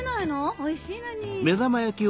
おいしいのに。